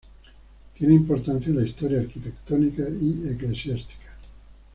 Tiene importancia en la historia arquitectónica y eclesiástica.